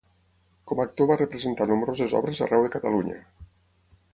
Com a actor va representar nombroses obres arreu de Catalunya.